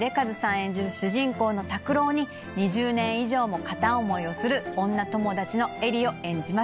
演じる主人公の拓郎に２０年以上も片思いをする女友達の絵里を演じます。